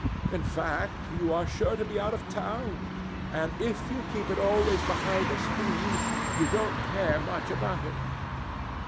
In fact, you are sure to be out of town. And if you keep it always behind a screen, you can't care much about it."